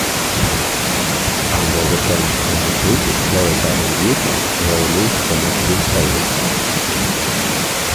Under the terms of the treaty, "Florida" and "Utah" were removed from active service.